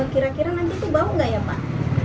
kira kira nanti tuh bau gak ya pak